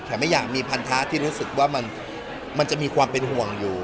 ไม่อยากมีพันธะที่รู้สึกว่ามันจะมีความเป็นห่วงอยู่